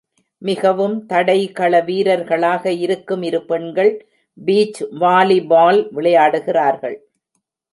மிகவும் தடகள வீரர்களாக இருக்கும் இரு பெண்கள், பீச் வாலிபால் விளையாடுகிறார்கள்.